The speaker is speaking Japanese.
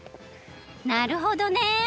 なるほどね！